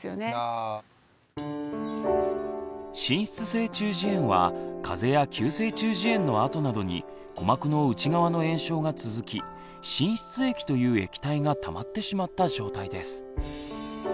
滲出性中耳炎は風邪や急性中耳炎のあとなどに鼓膜の内側の炎症が続き滲出液という液体がたまってしまった状態です。